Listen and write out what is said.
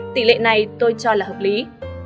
tỷ lệ này tôi cho là hợp lý